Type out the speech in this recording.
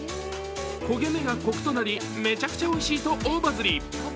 焦げ目がコクとなり、めちゃくちゃおいしいと大バズり！